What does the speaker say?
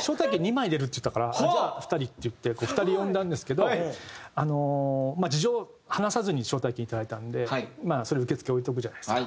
招待券２枚出るっていったからじゃあ２人っていって２人呼んだんですけどあの事情を話さずに招待券いただいたんでそれ受付置いておくじゃないですか。